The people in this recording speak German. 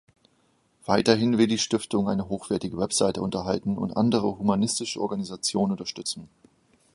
Weiterhin will die Stiftung eine hochwertige Website unterhalten und andere humanistische Organisationen unterstützen.